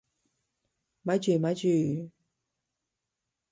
咪住咪住！